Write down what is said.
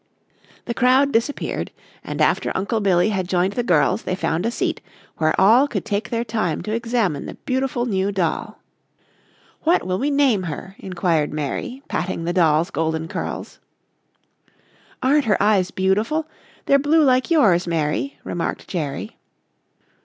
The crowd disappeared, and after Uncle Billy had joined the girls they found a seat where all could take their time to examine the beautiful new doll. "What will we name her?" inquired Mary, patting the doll's golden curls. "Aren't her eyes beautiful? They're blue like your's, Mary," remarked Jerry.